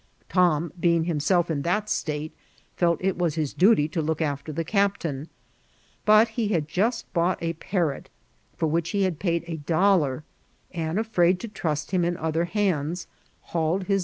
Tom, being himself in tlut state, feh that it was his duty to look after the captain ; but he had just bought a parrot, for which he had paid a dollar, and, afraid to trust him in other hands, hauled mOUGR KVKSIKO.